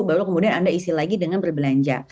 baru kemudian anda isi lagi dengan berbelanja